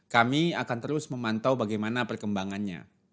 kami akan terus memantau bagaimana perkembangannya